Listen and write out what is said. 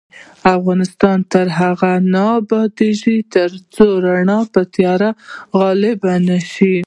افغانستان تر هغو نه ابادیږي، ترڅو رڼا پر تیاره غالبه نشي.